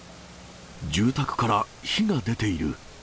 住宅から火が出ている。